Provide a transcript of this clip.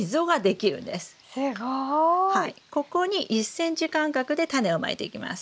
はいここに１ｃｍ間隔でタネをまいていきます。